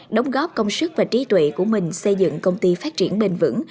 đóng góp công sức và trí tuệ của mình xây dựng công ty phát triển bền vững